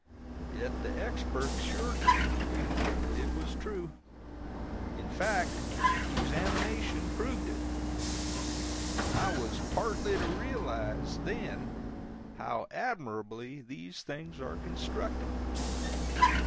Yet the Expert assured me that it was true; in fact, the examination proved it. I was partly to realize, then, how admirably these things are constructed.